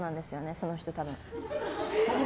その人、多分。